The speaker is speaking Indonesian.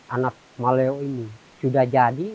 anak maleo ini sudah jadi